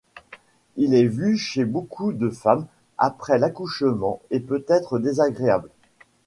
Il est vu chez beaucoup de femmes après l'accouchement et peut être désagréable.